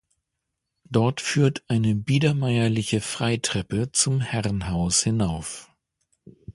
Dort führt eine biedermeierliche Freitreppe zum Herrenhaus hinauf.